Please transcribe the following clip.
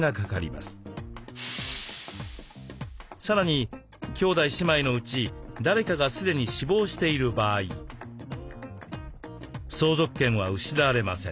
さらに兄弟姉妹のうち誰かが既に死亡している場合相続権は失われません。